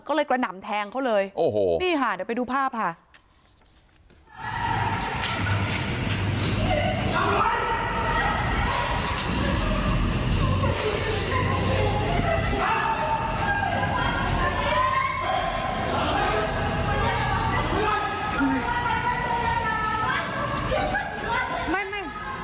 ก็เลยกระหน่ำแทงเขาเลยโอ้โหนี่ค่ะเดี๋ยวไปดูภาพค่ะ